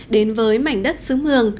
đến với mảnh đất xứng hưởng